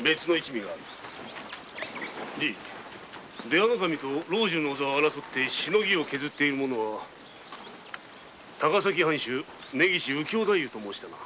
出羽守と老中の座を争い鎬を削っている者は高崎藩主・根岸右京太夫と申したな。